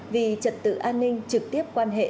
vì trật tự an ninh trực tiếp quan hệ